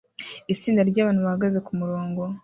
Itsinda ryabantu bahagaze kumurongo